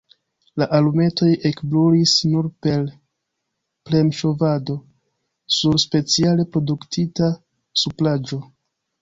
La alumetoj ekbrulis nur per premŝovado sur speciale produktita supraĵo.